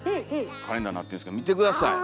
カレンダーになってるんですけど見て下さい。